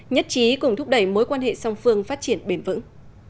nhất trí cùng thúc đẩy mối quan hệ song phương phát triển bền vững